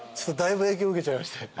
だいぶ影響受けちゃいまして。